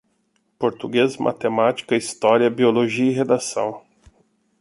Português, matemática, história, biologia e redação